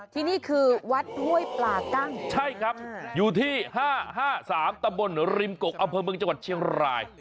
ที่นี่คือวัดห้วยปลากั้งใช่ครับอยู่ที่๕๕๓ตำบลริมกกอำเภอเมืองจังหวัดเชียงราย